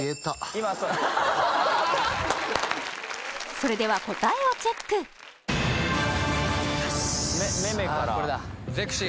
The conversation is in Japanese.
それでは答えをチェックめめから「ゼクシィ」